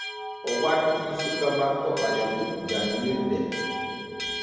O watti suka makko Ɓaleku janŋirde.